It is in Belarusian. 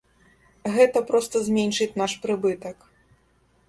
Гэта проста зменшыць наш прыбытак.